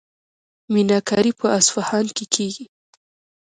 میناکاري په اصفهان کې کیږي.